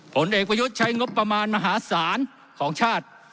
ผลเอกประยุทธ์ใช้งบประมาณมหาศาลของชาติ